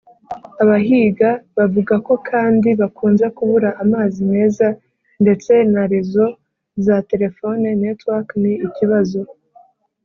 Abahiga bavuga ko kandi bakunze kubura amazi meza ndetse na rezo za telefone((Network) ni ikibazo